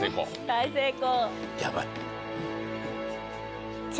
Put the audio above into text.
大成功！